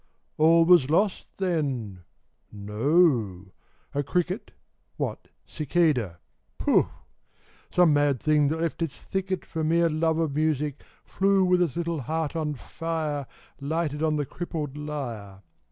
All was lost, then ! No ! a cricket (What " cicada ?" Pooh I) — Some mad thing that left its thicket For mere love of music — flew With its little heart on lire, Lighted on the crippled lyre.